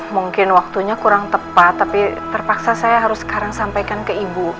mungkin waktunya kurang tepat tapi terpaksa saya harus sekarang sampaikan ke ibu